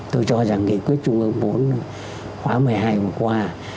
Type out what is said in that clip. tôi cho rằng nghị quyết trung ương bốn khóa một mươi hai vừa qua